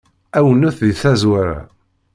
Awennet di tazwara.